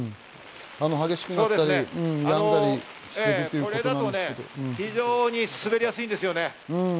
これだと非常に滑りやすいです。